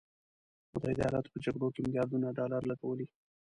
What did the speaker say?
متحده ایالاتو په جګړو کې میلیارډونه ډالر لګولي.